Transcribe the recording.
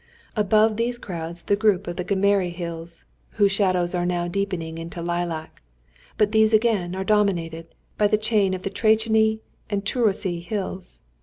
Above these crowds the group of the Gömöri Hills, whose shadows are now deepening into lilac; but these again are dominated by the chain of the Trencséni and Turoczi Hills.